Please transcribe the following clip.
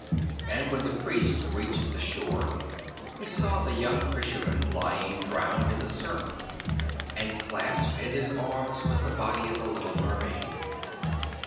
And when the Priest reached the shore he saw the young Fisherman lying drowned in the surf, and clasped in his arms was the body of the little Mermaid.